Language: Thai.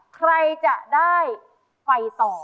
ใครจะได้ไปต่อ